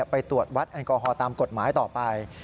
ไปตรวจวัดแอลกอฮอลตามกฎหมายต่อไป